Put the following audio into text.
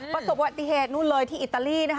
ประสบวัตยาติเผาที่อิตาลีนะคะ